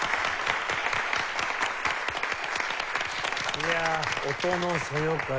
いやあ音の「そよ風」。